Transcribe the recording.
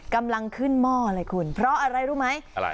กำลังขึ้นหม้อเลยคุณเพราะอะไรรู้ไหมอะไร